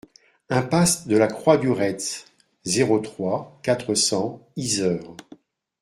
Impasse de la Croix du Retz, zéro trois, quatre cents Yzeure